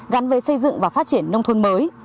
gắn với xây dựng và phát triển nông thôn mới